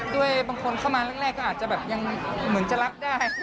ด้วยบางคนเข้ามาแรกก็อาจจะแบบยังเหมือนจะรับได้